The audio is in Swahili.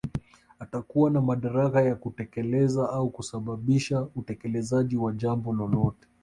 Atakuwa na madaraka ya kutekeleza au kusababisha utekelezaji wa jambo lolote